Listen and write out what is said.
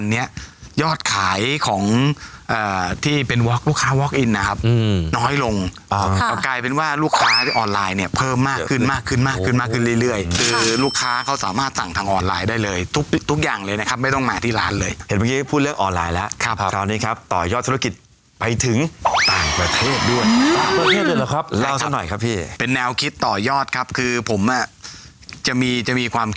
น้อยลงกลายเป็นว่าลูกค้าออนไลน์เนี่ยเพิ่มมากขึ้นมากขึ้นมากขึ้นมากขึ้นเรื่อยคือลูกค้าเขาสามารถสั่งทางออนไลน์ได้เลยทุกอย่างเลยนะครับไม่ต้องมาที่ร้านเลยเห็นพี่พูดเรื่องออนไลน์แล้วครับคราวนี้ครับต่อยอดธุรกิจไปถึงต่างประเทศด้วยครับแล้วสักหน่อยครับพี่เป็นแนวคิดต่อยอดครับคือผมจะมีจะมีความ